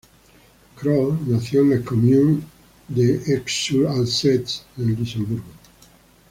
Kroll nació en la "commune" de Esch-sur-Alzette en Luxemburgo.